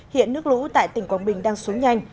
hiện nước lũ tại tỉnh quảng bình đang xuống nhanh